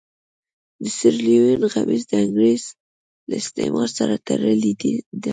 د سیریلیون غمیزه د انګرېز له استعمار سره تړلې ده.